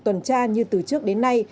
tuần tra như từ trước đến nay